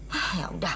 hah ya udah